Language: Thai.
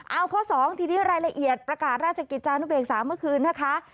เอาข้อ๒ทีนี้รายละเอียดประกาศราชกิจจานุเบกษาเมื่อคืนนะคะ